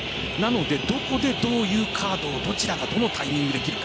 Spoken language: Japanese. どこでどういうカードをどちらがどのタイミングで切るか。